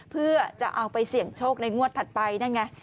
เพื่อจะเอาไปเสี่ยงโชคในงวดถัดไปนั่นไง